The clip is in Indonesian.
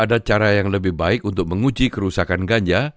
ada cara yang lebih baik untuk menguji kerusakan ganja